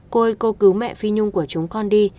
cô ơi cô cứu mẹ phi nhung của chúng con đi